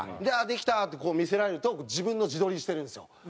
「できた！」ってこう見せられると自分の自撮りしてるんですよ。